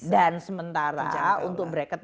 dan sementara untuk bracket